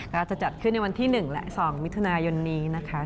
ก็จะจัดขึ้นในวันที่๑และ๒มิถุนายนนี้นะคะ